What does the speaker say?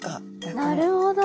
なるほど！